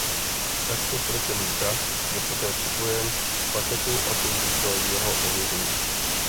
Takto zkrácený tag je poté připojen k paketu a slouží pro jeho ověření.